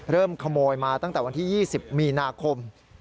ขโมยมาตั้งแต่วันที่๒๐มีนาคม